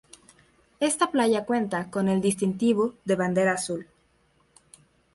Esta playa cuenta con el distintivo de Bandera Azul.